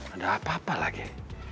ada apa apa lagi